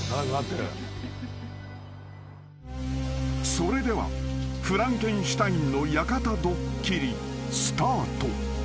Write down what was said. ［それではフランケンシュタインの館ドッキリスタート］